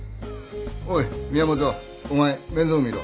おい宮本お前面倒見ろ。